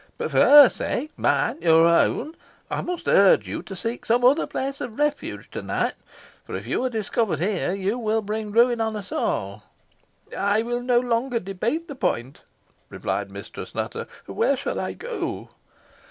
"But for her sake mine your own I must urge you to seek some other place of refuge to night, for if you are discovered here you will bring ruin on us all." "I will no longer debate the point," replied Mistress Nutter. "Where shall I go?"